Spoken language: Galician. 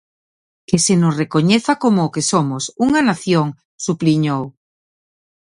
Que se nos recoñeza como o que somos, unha nación, subliñou.